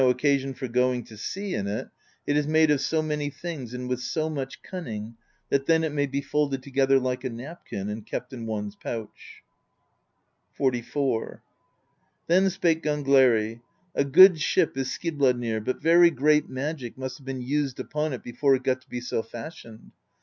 occasion for going to sea in it , it is _r nade of so m any thin££ ^nd with so much cunning ^thr^t thf p_j£ may be folded to;;:.^ ^ether like a n apkin and k ept JTLpne's pouch," XLIV. Then spake Gangleri: "A good ship is Skidblad nir, but very great magic must have been used upon it be fore it got to be so fashioned.